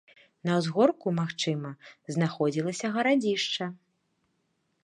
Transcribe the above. На ўзгорку, магчыма, знаходзілася гарадзішча.